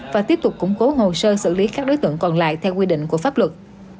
và tiếp tục củng cố hồ sơ xử lý các đối tượng còn lại theo quy định của pháp luật